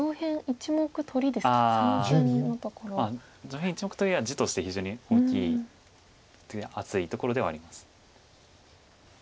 上辺１目取りは地として非常に大きい厚いところではあります。